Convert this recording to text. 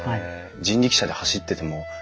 人力車で走っててもやっぱり。